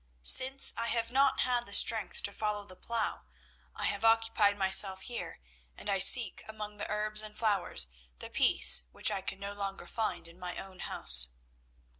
Since I have not had strength to follow the plough, I have occupied myself here, and I seek among the herbs and flowers the peace which I can no longer find in my own house."